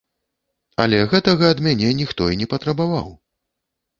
Але гэтага ад мяне ніхто і не патрабаваў.